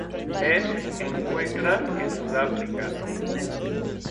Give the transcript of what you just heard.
Es encuentra en Sudáfrica.